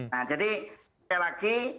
nah jadi sekali lagi